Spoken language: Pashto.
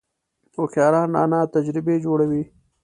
هوښیاران رانه تجربې جوړوي .